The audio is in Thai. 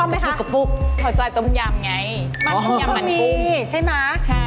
อ๋อมันกุ้งเป็นกระปุกเพราะสายต้มยำไงมันกุ้งมันต้มมีใช่ไหม